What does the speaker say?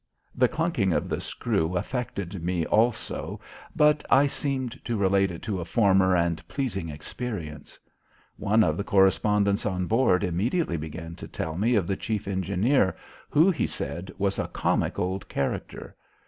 The chunking of the screw affected me also, but I seemed to relate it to a former and pleasing experience. One of the correspondents on board immediately began to tell me of the chief engineer, who, he said, was a comic old character.